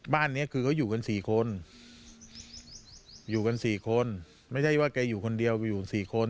บ้านนี้คือเขาอยู่กัน๔คนอยู่กัน๔คนไม่ใช่ว่าแกอยู่คนเดียวไปอยู่กัน๔คน